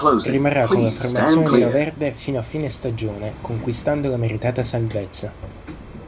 Rimarrà con la formazione neroverde fino a fine stagione conquistando la meritata salvezza.